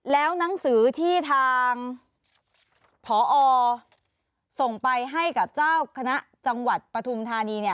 แล้วหนังสือที่ทางผอส่งไปให้กับเจ้าคณะจังหวัดปฐุมธานีเนี่ย